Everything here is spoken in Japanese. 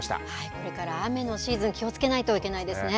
これから雨のシーズン、気をつけないといけないですね。